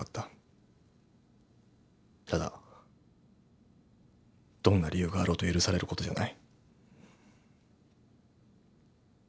ただどんな理由があろうと許されることじゃない。